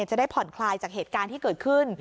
จะได้ผ่อนคลายจากเหตุการณ์ที่เกิดขึ้น